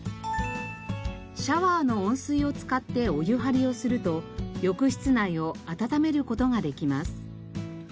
シャワーの温水を使ってお湯張りをすると浴室内を暖める事ができます。